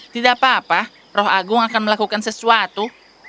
tidak apa apa roh agung akan melakukan sesuatu